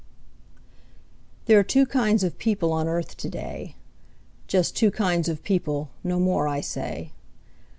THERE are two kinds of people on earth to day; Just two kinds of people, no more, I say.